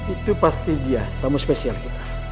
itu pasti dia tamu spesial kita